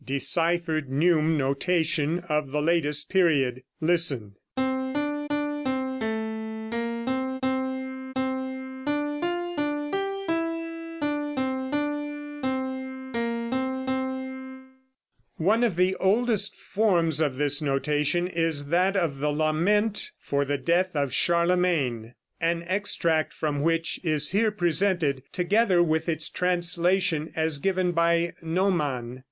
35. DECIPHERED NEUME NOTATION OF THE LATEST PERIOD. Co ro nat re gem om ni um] One of the oldest forms of this notation is that of the lament for the death of Charlemagne, an extract from which is here presented, together with its translation as given by Naumann.